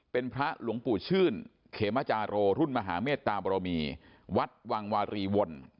เป็นพระหลวงปู่ชื่นเขมจาโรรุ่นมหาเมตตาบรมีวัดวังวารีวล